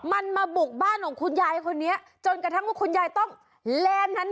มันมาบุกบ้านของคุณยายคนนี้จนกระทั่งว่าคุณยายต้องแลนด์นั้น